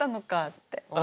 って。